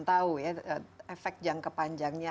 tahu ya efek jangka panjangnya